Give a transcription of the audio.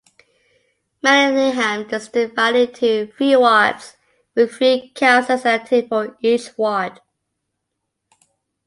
Manningham is divided into three wards, with three councilors elected for each ward.